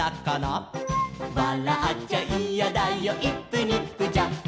「わらっちゃいやだよイップニップジャンプ」